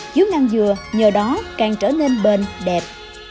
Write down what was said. chiếu năng dừa nhờ đó càng trở nên bền đẹp